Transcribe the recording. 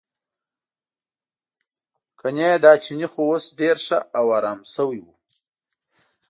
ګنې دا چینی خو اوس ډېر ښه او ارام شوی و.